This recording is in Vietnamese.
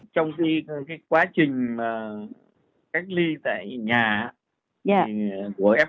trong khi quá trình cách ly tại nhà của f